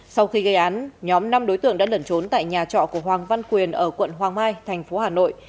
sau khi gây án nhóm năm đối tượng đã lẩn trốn tại nhà trọ của hoàng văn quyền ở quận hoàng mai thành phố hà nội